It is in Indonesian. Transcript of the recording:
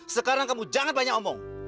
sekarang kamu jangan banyak omong